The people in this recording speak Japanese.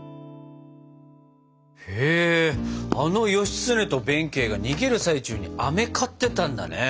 へえあの義経と弁慶が逃げる最中にあめ買ってたんだね。